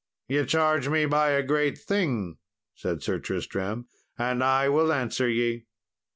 "Ye charge me by a great thing," said Sir Tristram, "and I will answer ye."